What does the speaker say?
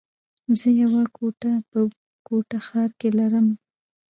زه يوه کوټه په کوټه ښار کي لره مه